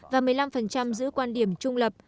và một mươi năm giữ quan điểm trung lập